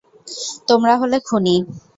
তোমরা হলে খুনী!